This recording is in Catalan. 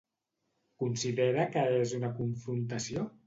Considera que és una confrontació?